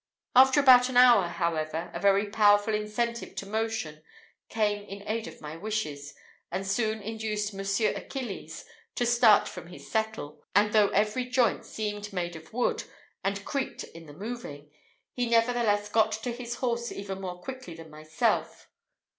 After about an hour, however, a very powerful incentive to motion came in aid of my wishes, and soon induced Monsieur Achilles to start from his settle, and though every joint seemed made of wood, and creaked in the moving, he nevertheless got to his horse even more quickly than myself.